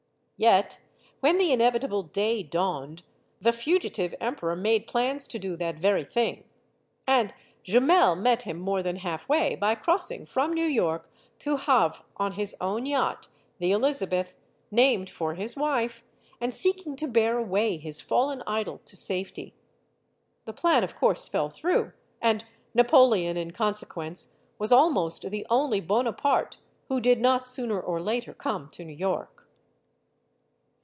Yet, when the inevitable Day dawned, the fugitive emperor made plans to do that very thing. And Jumel met him more than halfway by crossing from New York to Havre on his own yacht the Elizabeth, named for his wife and seeking to bear away his fallen idol to safety. The plan, of course, fell through, and Na 98 STORIES OF THE SUPER WOMEN poleon in consequence was almost the only Bonaparte who did not sooner or later come to New York.